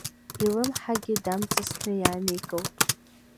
Илымҳагьы даамҵасын иааникылт.